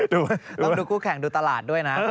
ลองดูคู่แข่งดูตลาดด้วยนะ